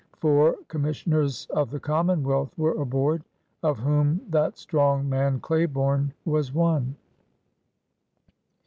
Four Com missioners of the Commonwealth were aboard, of whom that strong man Claiborne was one.